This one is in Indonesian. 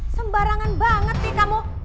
sembarangan banget nih kamu